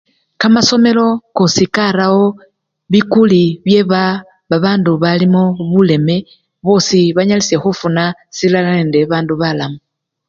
Kamasomelo kosi karawo bikuli bye baa babandu balimo buleme bosi banyalishe khufuna silala nende babandu balamu.